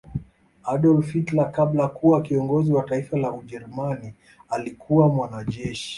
Adolf Hilter kabla ya kuwa kiongozi Wa Taifa la ujerumani alikuwa mwanajeshi